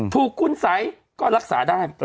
ถูกคุ้นใสก็รักษาได้